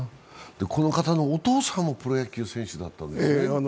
この方のお父さんもプロ野球選手だったんですよね。